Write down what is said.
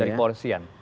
dari polisi ya